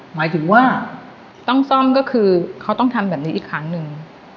หมายถึงว่าต้องซ่อมก็คือเขาต้องทำแบบนี้อีกครั้งหนึ่ง